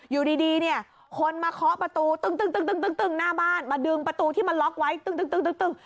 อยู่ดีเนี่ยคนมาเคาะประตูตึงตึงตึงตึงตึงตึงตึงหน้าบ้านมาดึงประตูที่มันล็อคไว้ตึงตึงตึงตึงตึง